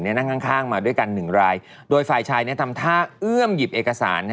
นั่งข้างมาด้วยกันหนึ่งรายโดยฝ่ายชายทำท่าเอื้อมหยิบเอกสาร